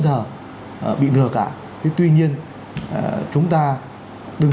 giờ bị lừa cả tuy nhiên chúng ta đừng